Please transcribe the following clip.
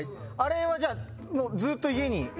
あれはじゃあもうずーっと家に？